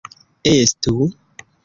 estu